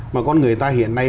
mà con người ta hiện nay